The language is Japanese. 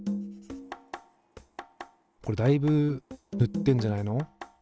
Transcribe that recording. これだいぶ塗ってんじゃないの？